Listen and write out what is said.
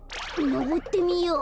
のぼってみよう。